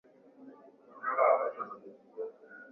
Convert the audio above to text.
Sipendi nyama.